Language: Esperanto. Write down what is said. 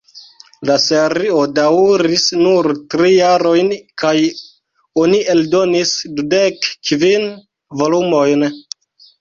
La serio daŭris nur tri jarojn kaj oni eldonis dudek kvin volumojn.